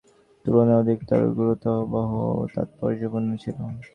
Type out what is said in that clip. যার প্রতিটিই তার পূর্ববর্তীটির তুলনায় অধিকতর গুরুত্ববহ ও তাৎপর্যপূর্ণ ছিল।